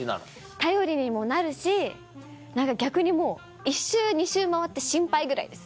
頼りにもなるし逆にもう１周２周回って心配ぐらいです。